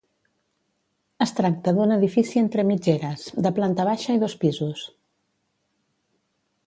Es tracta d'un edifici entre mitgeres, de planta baixa i dos pisos.